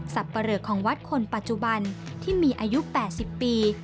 ปะเหลอของวัดคนปัจจุบันที่มีอายุ๘๐ปี